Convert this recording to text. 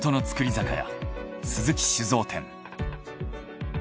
酒屋鈴木酒造店。